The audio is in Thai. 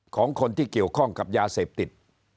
ของคนที่เกี่ยวข้องกับยาเสพติด